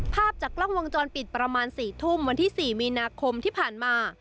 ภาพจากกล้องวงจรปิดประมาณ๔ทุ่มวันที่๔มีนาคมที่ผ่านมา